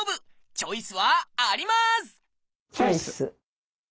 チョイス！